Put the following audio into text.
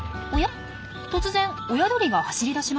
突然親鳥が走り出しました。